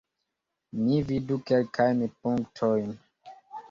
Ni vidu kelkajn punktojn.